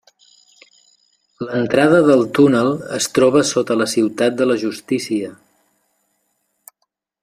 L'entrada del túnel es troba sota la Ciutat de la Justícia.